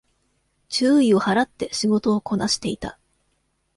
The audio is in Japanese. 注意を払って仕事をこなしていた